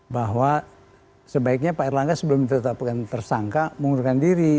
bahwa sebaiknya pak erlangga sebelum ditetapkan tersangka mengundurkan diri